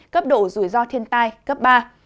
cấp độ rủi ro thiên tai cấp ba